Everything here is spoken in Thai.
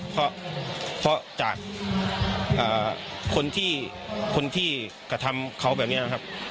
เพราะจากคนที่คนที่กระทำเขาแบบนี้นะครับ